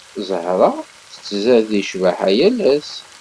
Zahra tettzad di cbaḥa yal ass.